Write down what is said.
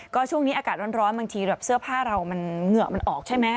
ก็ช่วงนี้อากาศร้อนบางทีแบบเสื้อผ้าเรามันเหงื่อมันออกใช่ไหม